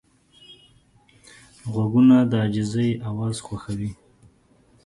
غوږونه د عاجزۍ اواز خوښوي